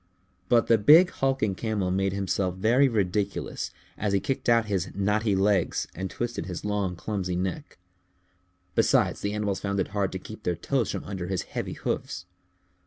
But the big hulking Camel made himself very ridiculous as he kicked out his knotty legs and twisted his long clumsy neck. Besides, the animals found it hard to keep their toes from under his heavy hoofs.